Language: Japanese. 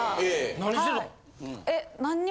何してたん？